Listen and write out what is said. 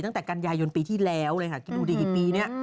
ตั้งแต่กันยายนปีที่แล้วเลยค่ะ